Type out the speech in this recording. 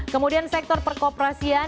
kemudian sektor perkooperasian